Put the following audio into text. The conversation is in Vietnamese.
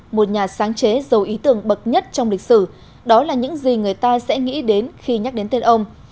một nhà sáng chế dầu ý tưởng bậc nhất trong lịch sử đó là những gì người ta sẽ nghĩ đến khi nhắc đến tên ông